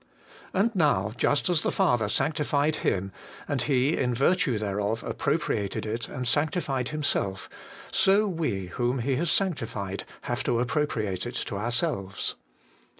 And now, just as the Father sanctified Him, and He in virtue thereof appropriated it and sanctified Himself, so we, whom He has sanctified, have to appropriate it to ourselves.